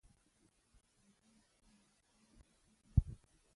د دې چوکاټ د ماتولو څه نا څه هڅه کړې ده.